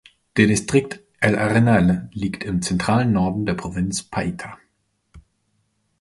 Der Distrikt El Arenal liegt im zentralen Norden der Provinz Paita.